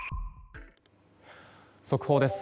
速報です。